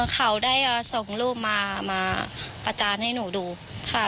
เขาได้ส่งรูปมาประจานให้หนูดูค่ะ